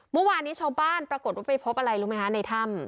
เมื่อวานนี้ชาวบ้านปรากฏว่าไปพบอะไรรู้ไหมคะในถ้ำ